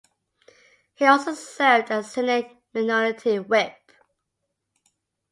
He also served as the Senate Minority Whip.